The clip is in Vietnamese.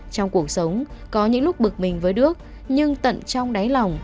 trong cuộc sống có những lúc bực mình với đức nhưng tận trong đáy lòng